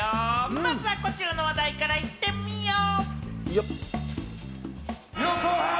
まずはこちらの話題から行ってみよう！